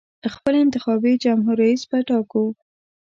خپل انتخابي جمهور رییس به ټاکو.